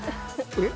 えっ？